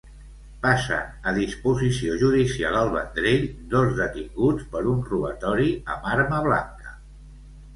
Passen a disposició judicial al Vendrell dos detinguts per un robatori amb arma blanca.